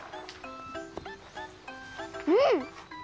うん！